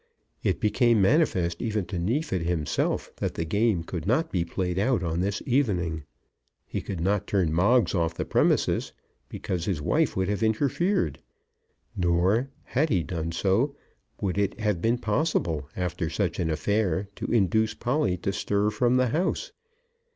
It became manifest even to Neefit himself that the game could not be played out on this evening. He could not turn Moggs off the premises, because his wife would have interfered. Nor, had he done so, would it have been possible, after such an affair to induce Polly to stir from the house.